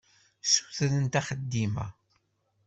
Ssutrent axeddim-a.